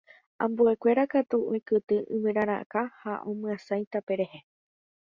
ambuekuéra katu oikytĩ yvyrarakã ha omyasãi tape rehe